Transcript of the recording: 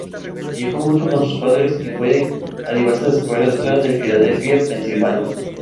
Viajó mucho con sus padres y fue a diversas escuelas de Filadelfia, Pensilvania.